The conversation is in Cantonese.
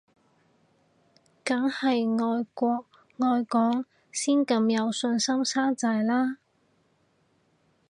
梗係愛國愛港先咁有信心生仔啦